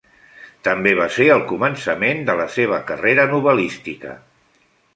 També va ser el començament de la seva carrera novel·lística.